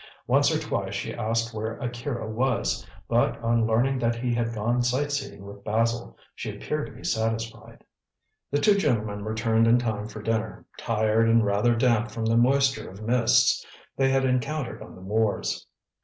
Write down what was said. Once or twice she asked where Akira was, but on learning that he had gone sightseeing with Basil, she appeared to be satisfied. The two gentlemen returned in time for dinner, tired and rather damp from the moisture of mists they had encountered on the moors.